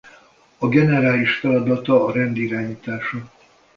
A generális feladata a rend irányítása.